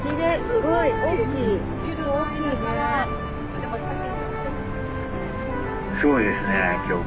すごいですね今日。